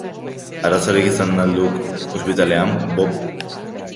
Arazorik izan al duk ospitalean, Bob?